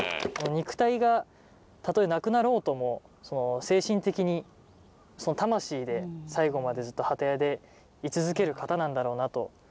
肉体がたとえなくなろうとも精神的に魂で最後までずっと機屋で居続ける方なんだろうなと。